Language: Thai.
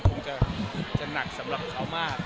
คงจะหนักสำหรับเขามาก